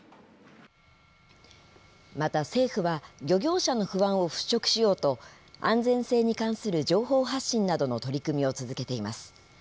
また政府は、漁業者の不安を払拭しようと、安全性に関する情報発信などの取り組みを続けています。